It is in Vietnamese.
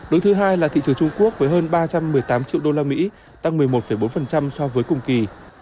đối thứ hai là thị trường trung quốc với hơn ba trăm một mươi tám triệu usd tăng một mươi một bốn so với cùng kỳ